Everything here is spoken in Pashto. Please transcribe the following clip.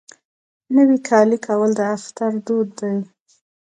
نوی کالی کول د اختر دود دی.